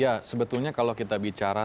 ya sebetulnya kalau kita bicara